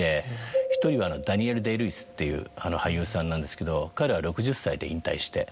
１人はダニエル・デイ＝ルイスっていう俳優さんなんですけど彼は６０歳で引退して。